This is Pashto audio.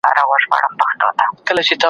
د پښتو ټکي په سم تلفظ سره ثبت کړئ.